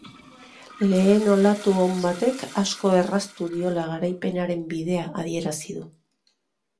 Lehen olatu on batek asko erraztu diola garaipenaren bidea adierazi du.